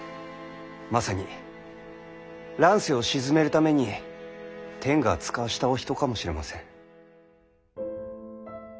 まさに乱世を鎮めるために天が遣わしたお人かもしれません。